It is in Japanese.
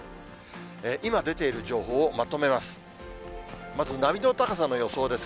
今出ている情報をまとめます。